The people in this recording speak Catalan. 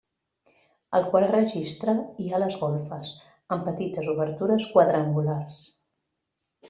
Al quart registre hi ha les golfes, amb petites obertures quadrangulars.